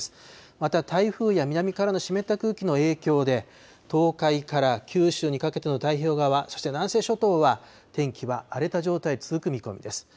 また台風や南からの湿った空気の影響で、東海から九州にかけての太平洋側、そして南西諸島は、天気は荒れた状態、続く見込みです。